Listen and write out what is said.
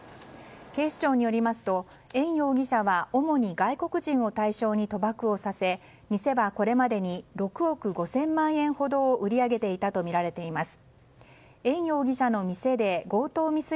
警視庁によりますとエン容疑者は主に外国人を対象に賭博をさせ店はこれまでに６億５０００万円ほどを売り上げていたとみられています。